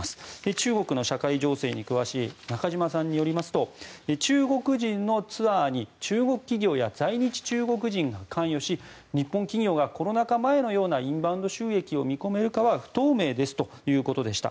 中国の社会情勢に詳しい中島さんによりますと中国人のツアーに中国企業や在日中国人が関与し日本企業がコロナ禍前のようなインバウンド収益を見込めるかは不透明ですということでした。